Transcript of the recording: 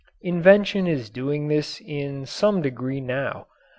Invention is doing this in some degree now.